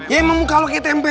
ya emang muka lo kayak tempe